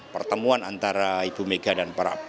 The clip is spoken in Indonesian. pertemuan antara ibu mega dan para